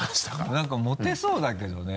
何かモテそうだけどね。